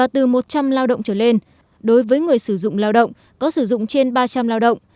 từ một trăm linh lao động trở lên đối với người sử dụng lao động có sử dụng trên ba trăm linh lao động